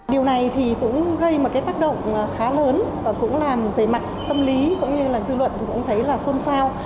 điều này thì cũng gây một cái tác động khá lớn và cũng làm về mặt tâm lý cũng như là dư luận cũng thấy là xôn xao